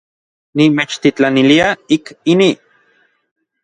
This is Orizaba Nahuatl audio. Nimechtitlanilia ik inij.